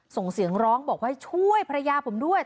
ส่งเสียงร้องบอกว่าให้ช่วยภรรยาผมด้วย